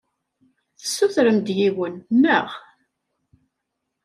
Tessutrem-d yiwen, naɣ?